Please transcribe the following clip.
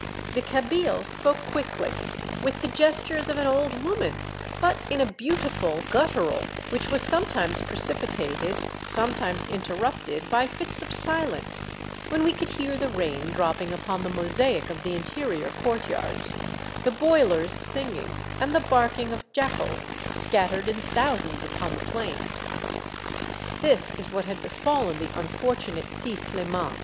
The Kabyle spoke quickly, with the gestures of an old woman, but in a beautiful guttural, which was sometimes precipitated, sometimes interrupted by fits of silence, when we could hear the rain drop ping upon the mosaic of the interior courtyards, the boilers singing, and the barking of jackals, scattered in thousands upon the plain. This is what had befallen the unfortunate Si SHman.